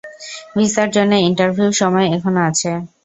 ভিসার জন্যে ইন্টারভিউ সময় এখনও আছে।